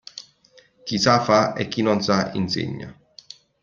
Chi sa fa e chi non sa insegna.